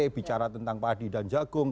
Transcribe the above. bicara tentang padi dan jagung